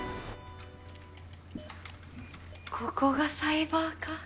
ここがサイバー課。